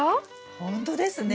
ほんとですね。